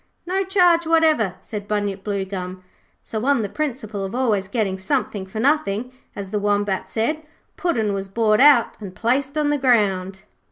'No charge whatever,' said Bunyip Bluegum. So on the principle of always getting something for nothing, as the Wombat said, Puddin' was brought out and placed on the ground.